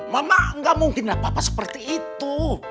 mama gak mungkinlah papa seperti itu